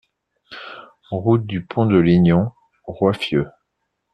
Route du Pont de Lignon, Roiffieux